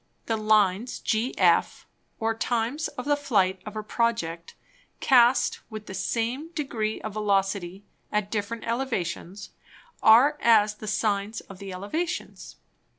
The Lines GF, or Times of the Flight of a Project cast with the same Degree of Velocity at different Elevations, are as the Sines of the Elevations.